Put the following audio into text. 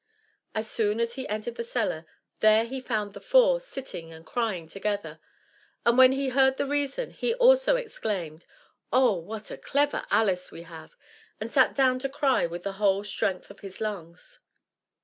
As soon as he entered the cellar, there he found the four sitting and crying together, and when he heard the reason, he also exclaimed, "Oh, what a clever Alice we have!" and sat down to cry with the whole strength of his lungs.